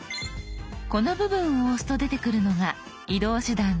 この部分を押すと出てくるのが移動手段の一覧。